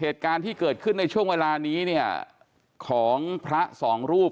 เหตุการณ์ที่เกิดขึ้นในช่วงเวลานี้เนี่ยของพระสองรูป